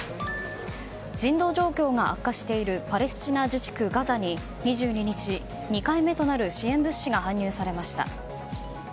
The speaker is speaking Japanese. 人道状況が悪化しているパレスチナ自治区ガザに２２日、２回目となる支援物資が搬入されました。